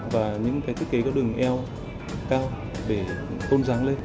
và những cái thiết kế có đường eo cao để tôn giáo lên